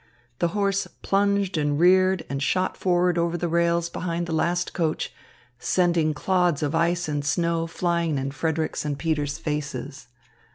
The horse plunged and reared and shot forward over the rails behind the last coach, sending clods of ice and snow flying in Frederick's and Peter's faces.